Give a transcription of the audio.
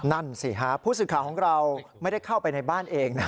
นั่นสิฮะผู้สื่อข่าวของเราไม่ได้เข้าไปในบ้านเองนะ